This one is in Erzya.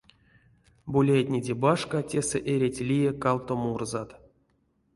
Боляйтнеде башка, тесэ эрить лия кавто мурзат.